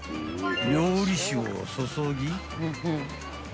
［料理酒を注ぎ］